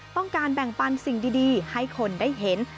ต้องการแบ่งปันสิ่งดีให้คนได้เห็น